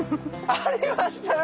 ありましたよ